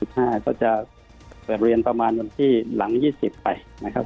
แล้วก็จะเรียนประมาณวันที่หลัง๒๐ไปนะครับ